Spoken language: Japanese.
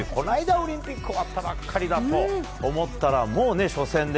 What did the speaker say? オリンピック終わったばっかりだと思ったらもう初戦で。